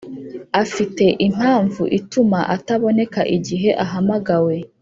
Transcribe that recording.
afite impamvu ituma ataboneka igihe ahamagawe